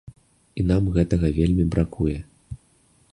І нам гэтага вельмі бракуе.